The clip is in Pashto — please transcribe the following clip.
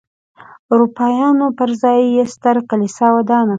اروپایانو پر ځای یې ستره کلیسا ودانه کړه.